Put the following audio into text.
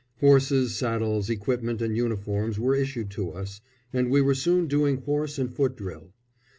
Horses, saddles, equipment and uniforms were issued to us, and we were soon doing horse and foot drill.